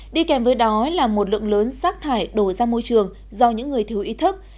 đi kèm với đó là một lượng lớn rác thải đổ ra môi trường do những người thiếu ý thức